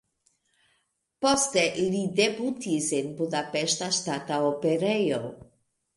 Poste li debutis en Budapeŝta Ŝtata Operejo.